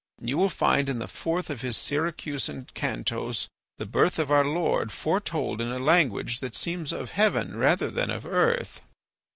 You will find in the fourth of his Syracusan cantos the birth of our Lord foretold in a lancune that seems of heaven rather than of earth.